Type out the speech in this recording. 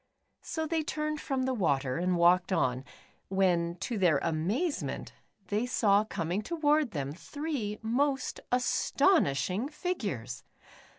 So they turned from the water, and walked on,, when to their amazement, they saw coming toward, them, three most astonishing figures